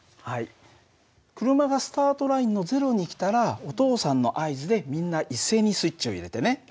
車がスタートラインの０に来たらお父さんの合図でみんな一斉にスイッチを入れてね。